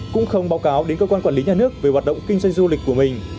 cũng không báo cáo đến cơ quan quản lý nhà nước về hoạt động kinh doanh du lịch của mình